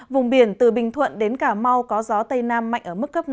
vùng biển từ bình thuận đến cà mau có gió tây nam mạnh ở mức cấp năm